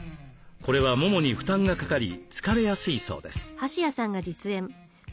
これはももに負担がかかり疲れやすいそうです。